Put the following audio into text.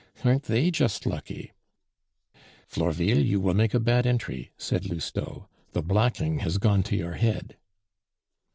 Aren't they just lucky?" "Florville, you will make a bad entry," said Lousteau; "the blacking has gone to your head!"